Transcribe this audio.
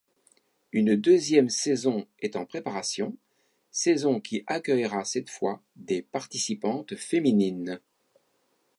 Une deuxième saison est en préparation, saison qui accueillera cette fois des participantes féminines.